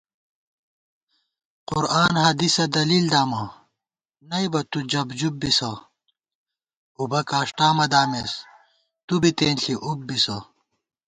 قرآن حدیثہ دلیل دامہ نئیبہ تُو جَبجُب بِسہ * اُبہ کاݭٹا مہ دامېس تُوبی تېنݪی اُب بِسہ